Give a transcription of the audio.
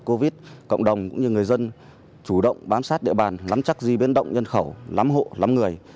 covid cộng đồng cũng như người dân chủ động bám sát địa bàn lắm chắc di biến động nhân khẩu lắm hộ lắm người